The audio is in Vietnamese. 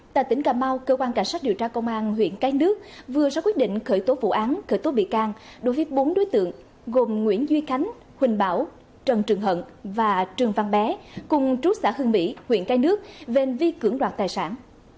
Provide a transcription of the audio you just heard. tại tỉnh cà mau cơ quan cảnh sát điều tra công an huyện cái nước vừa ra quyết định khởi tố vụ án khởi tố bị can đối với bốn đối tượng gồm nguyễn duy khánh huỳnh bảo trần trường hận và trường văn bé cùng trú xã hưng mỹ huyện cái nước về hành vi cưỡng đoạt tài sản